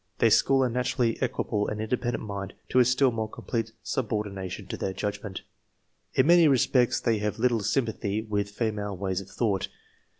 They school a naturally equable and independent mind to a still more complete subordination to their judgment. In many respects they have little sympathy with female ways of thought.